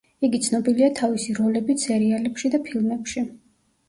იგი ცნობილია თავისი როლებით სერიალებში და ფილმებში.